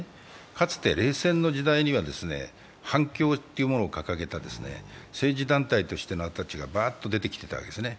かつて冷戦の時代には反共というものを掲げた政治団体とした人たちがばーっと出てきていたわけですね。